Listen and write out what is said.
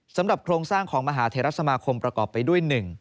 โครงสร้างของมหาเทรสมาคมประกอบไปด้วย๑